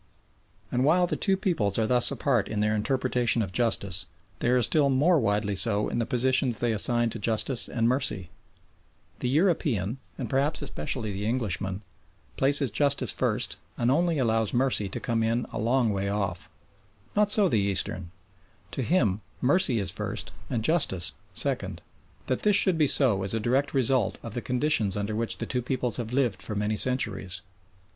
And while the two peoples are thus apart in their interpretation of justice, they are still more widely so in the positions they assign to justice and mercy. The European, and perhaps especially the Englishman, places justice first and only allows mercy to come in a long way off. Not so the Eastern. To him mercy is first and justice second. That this should be so is a direct result of the conditions under which the two peoples have lived for many centuries.